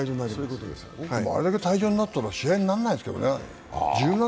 あれだけ退場になったら試合にならないですけどね。